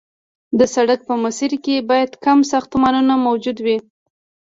د سړک په مسیر کې باید کم ساختمانونه موجود وي